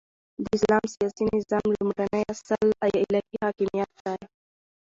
د اسلام سیاسی نظام لومړنی اصل الهی حاکمیت دی،